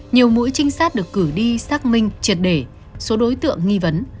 nhiều mũi trinh sát được cử đi xác minh triệt để số đối tượng nghi vấn